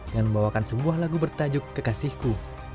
yang membawakan sebuah lagu bertajuk kekasihku